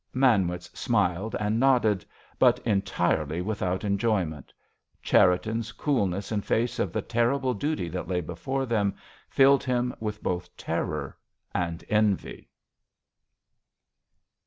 Manwitz smiled and nodded, but entirely without enjoyment. Cherriton's coolness in face of the terrible duty that lay before them filled him with both terror and envy.